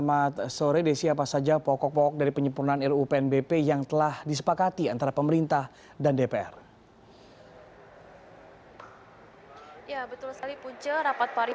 selamat sore desi apa saja pokok pokok dari penyempurnaan ru pnbp yang telah disepakati antara pemerintah dan dpr